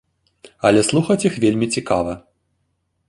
Але слухаць іх вельмі цікава.